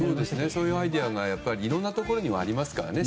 そういうアイデアがいろんなところにありますからね。